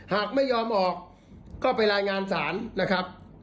หากไม่ยอมออกก็ไปรายงานศาลนะครับ